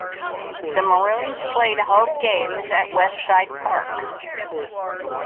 The Maroons played home games at West Side Park.